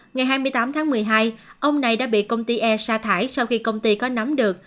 ngày hai mươi tám tháng một mươi hai ông này đã bị công ty e sa thải sau khi công ty có nắm được